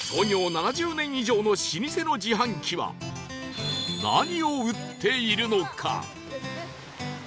７０年以上の老舗の自販機は何を売っているのか？